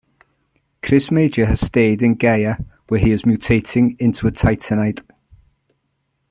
Chris Major has stayed in Gaea, where he is mutating into a Titanide.